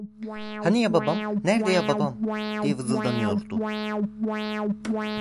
"Hani ya babam? Nerde ya babam?" diye vızıldanıyordu.